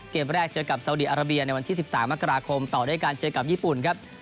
เกมแรกเจอกับสาวดีอาราเบียในวันที่๑๓มกราคมต่อด้วยการเจอกับญี่ปุ่นครับ